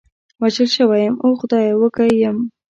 وژل شوی یم، اوه خدایه، وږی یم.